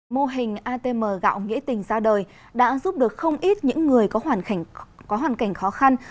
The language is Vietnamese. mô hình atm gạo nghĩa tình ra đời đã giúp được không ít những người có hoàn cảnh khó khăn